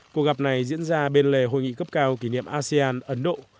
cuộc gặp này diễn ra bên lề hội nghị cấp cao kỷ niệm asean ấn độ